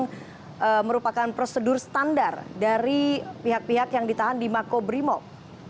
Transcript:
yang merupakan prosedur standar dari pihak pihak yang ditahan di makobrimob